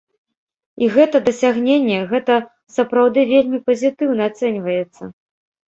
І гэта дасягненне, гэта сапраўды вельмі пазітыўна ацэньваецца.